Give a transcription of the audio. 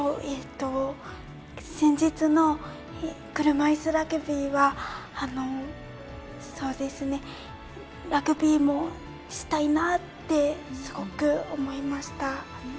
先日の車いすラグビーはラグビーもしたいなってすごく思いました。